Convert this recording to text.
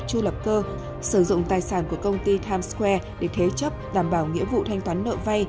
chu lập cơ sử dụng tài sản của công ty times square để thế chấp đảm bảo nghĩa vụ thanh toán nợ vay